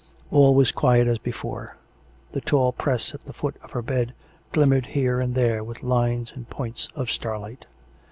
All was quiet as before: the tall press at the foot of her bed glimmered here and there with lines and points of starlight.